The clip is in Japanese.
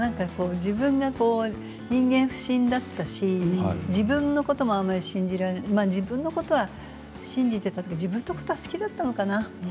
自分が人間不信だったし自分のこともあまり信じられないというか自分のことは好きだったのかな？